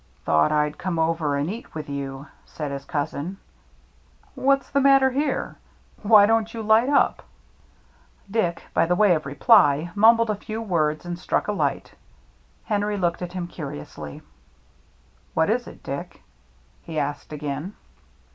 " Thought I'd come over and eat with you," said his cousin. " What's the matter here — why don't you light up ?" Dick, by way of reply, mumbled a few words and struck a light. Henry looked at him curiously. " What is it, Dick ?" he asked again.